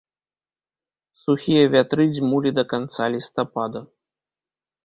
Сухія вятры дзьмулі да канца лістапада.